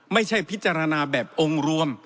ไม่ใช่พิจารณาแบบองค์รวม